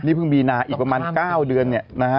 นี่เพิ่งมีนาอีกประมาณ๙เดือนเนี่ยนะฮะ